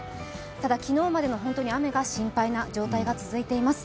ただ、昨日までの雨が心配な状態が続いています。